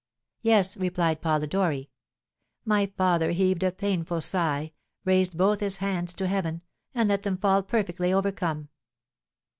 "'Yes!' replied Polidori. My father heaved a painful sigh, raised both his hands to heaven, and let them fall perfectly overcome.